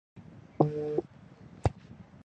明成化三年。